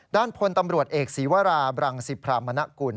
ด้านพลตำรวจเอกศีวราบรังสิพรามณกุล